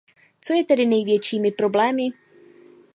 Co je tedy největšími problémy?